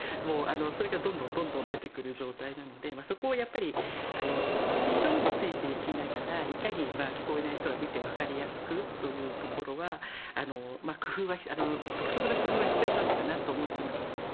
それがどんどんどんどん出てくる状態なのでそこはやっぱりスピードにもついていきながらいかに聞こえない人が見てわかりやすくというところは工夫は独特な工夫は必要なのかなと思っています。